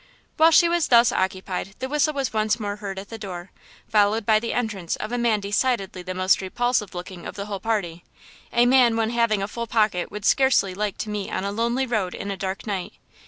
While she was thus occupied the whistle was once more heard at the door, followed by the entrance of a man decidedly the most repulsive looking of the whole party–a man one having a full pocket would scarcely like to meet on a lonely road in a dark night.